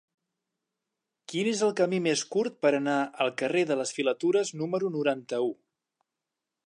Quin és el camí més curt per anar al carrer de les Filatures número noranta-u?